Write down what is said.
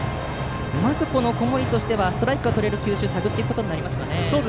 まず小森としてはストライクがとれる球種を探っていくことになりますかね。